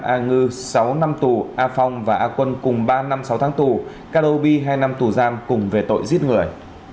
a ngư sáu năm tù a phong và a quân cùng ba năm sáu tháng tù kadoy hai năm tù giam cùng về tội giết người